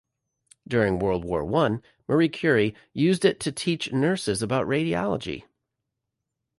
During World War One, Marie Curie used it to teach nurses about radiology.